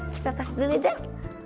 kita tas dulu dong